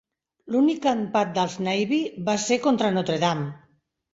L'únic empat dels Navy va ser contra Notre Dame.